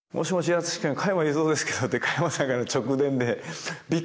ＡＴＳＵＳＨＩ君加山雄三ですけど」って加山さんからの直電でびっくりして。